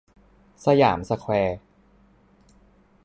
สยามสแควร์